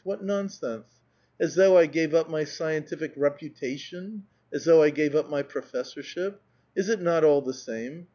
What non sense ! as though I gave up my scientific reputation ! as though I gave up my professorship ! Is it not all the same